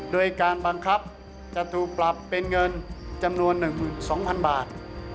โดยการบังคับจะถูกปรับเป็นเงินจำนวนหนึ่งหมื่นสองพันบาท